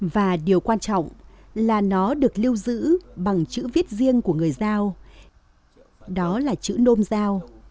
và điều quan trọng là nó được lưu giữ bằng chữ viết riêng của người giao đó là chữ nôm giao